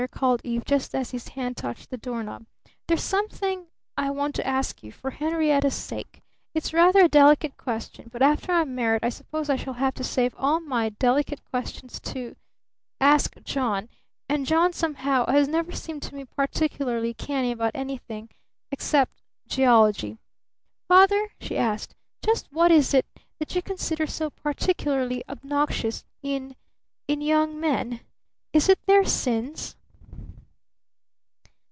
called Eve, just as his hand touched the door knob. "There's something I want to ask you for Henrietta's sake. It's rather a delicate question, but after I'm married I suppose I shall have to save all my delicate questions to ask John; and John, somehow, has never seemed to me particularly canny about anything except geology. Father!" she asked, "just what is it that you consider so particularly obnoxious in in young men? Is it their sins?"